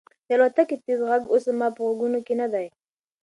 د الوتکې تېز غږ اوس زما په غوږونو کې نه دی.